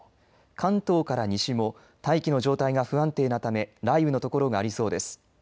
関東から西も大気の状態が不安定なため雷雨の所がありそうです。